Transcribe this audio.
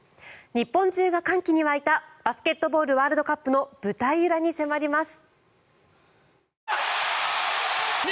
日本中が歓喜に沸いたバスケットボールワールドカップの舞台裏に迫ります。